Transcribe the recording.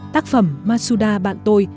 tác phẩm masuda bạn tôi